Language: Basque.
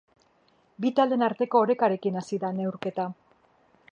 Bi taldeen arteko orekarekin hasi da neurketa.